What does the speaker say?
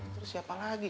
terus siapa lagi